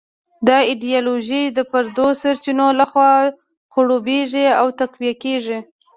دا ایډیالوژي د پردو د سرچینو لخوا خړوبېږي او تقویه کېږي.